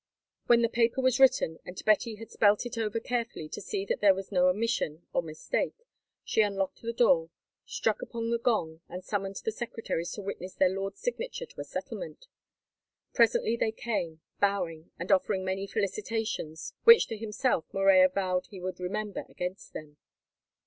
When the paper was written, and Betty had spelt it over carefully to see that there was no omission or mistake, she unlocked the door, struck upon the gong, and summoned the secretaries to witness their lord's signature to a settlement. Presently they came, bowing, and offering many felicitations, which to himself Morella vowed he would remember against them.